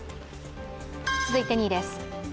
続いて２位です。